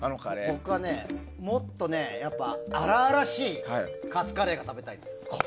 僕はもっと、荒々しいカツカレーが食べたいです。